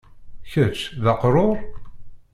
kečč d aqrur?